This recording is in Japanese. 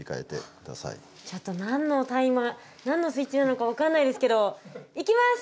ちょっと何のスイッチなのか分かんないですけどいきます！